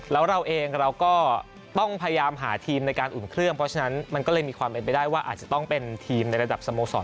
แล้วเราเองเราก็ต้องพยายามหาทีมในการอุ่นเครื่องเพราะฉะนั้นมันก็เลยมีความเป็นไปได้ว่าอาจจะต้องเป็นทีมในระดับสโมสร